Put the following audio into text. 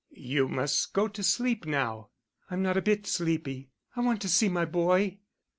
"You must go to sleep now." "I'm not a bit sleepy and I want to see my boy."